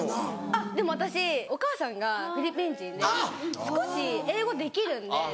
あっでも私お母さんがフィリピン人で少し英語できるんで。